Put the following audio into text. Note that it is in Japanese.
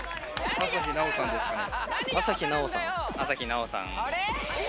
朝日奈央さんですかね。